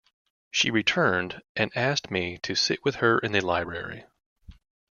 She returned, and asked me to sit with her in the library.